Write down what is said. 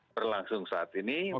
berlangsung saat ini